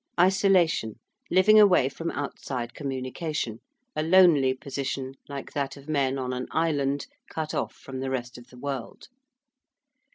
~isolation~: living away from outside communication, a lonely position like that of men on an island cut off from the rest of the world.